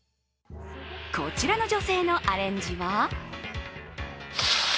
こちらの女性のアレンジは？